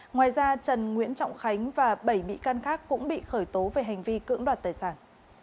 ngoài ra trần nguyễn trọng khánh và bảy bị can khác cũng bị khởi tố về hành vi cưỡng đoạt tài sản